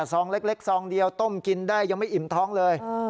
ซองเล็กซองเดียวต้มกินได้ยังไม่อิ่มท้องเลย